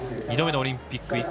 ２度目のオリンピック。